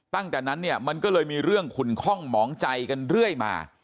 ตั้งแต่นั้นเนี่ยมันก็เลยมีเรื่องขุนคล่องหมองใจกันเรื่อยมา